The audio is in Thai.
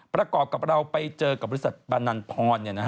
ประกอบกับเราไปเจอกับบริษัทบานันพร